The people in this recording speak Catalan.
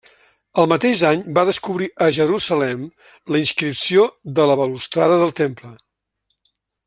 El mateix any va descobrir a Jerusalem la inscripció de la balustrada del Temple.